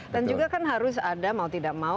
dan juga kan harus ada mau tidak mau